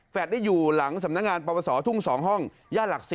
แฟล็ดได้อยู่หลังสำนักงานประวัติศาสตร์ทุ่ง๒ห้องญาติหลัก๔